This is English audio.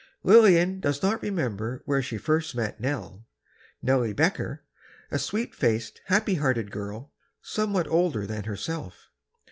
Lillian does not remember where she first met "Nell"—Nellie Becker, a sweet faced, happy hearted girl, somewhat older than herself.